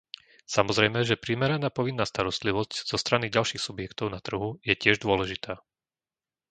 Samozrejme, že primeraná povinná starostlivosť zo strany ďalších subjektov na trhu je tiež dôležitá.